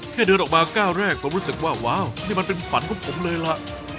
เดินออกมาก้าวแรกผมรู้สึกว่าว้าวนี่มันเป็นฝันของผมเลยล่ะ